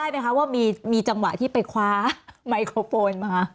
ไหมคะว่ามีจังหวะที่ไปคว้าไมโครโฟนมา